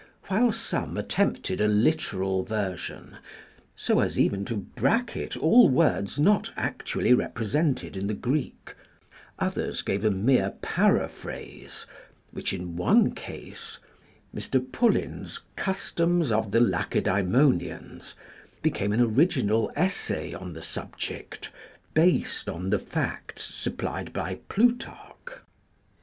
While some at tempted a literal version, so as even to bracket all words not actually represented in the Greek, others gave a mere paraphrase, which in one case (Mr. Pulley n's " Customs of the Lacedaemo nians •') became an original essay on the subject, based on the facts supplied by Plutarch.